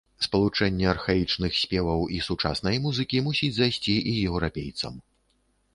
Спалучэнне архаічных спеваў і сучаснай музыкі мусіць зайсці і еўрапейцам.